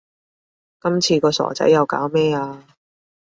今次個傻仔又搞咩呀